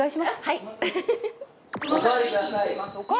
はい。